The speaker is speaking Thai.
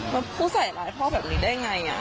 มันผู้ใส่ร้ายพ่อแบบนี้ได้ไง